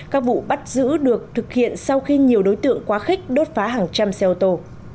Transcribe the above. các vụ bắt giữ được thực hiện sau khi nhiều đối tượng quá khích đốt phá hàng trăm xe ô tô